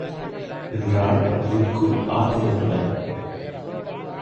என்றாள் ருக்கு ஆத்திரத்துடன்.